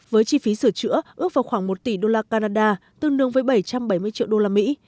với chi phí sửa chữa ước vào khoảng một tỷ đô la canada tương đương với bảy trăm bảy mươi triệu đô la mỹ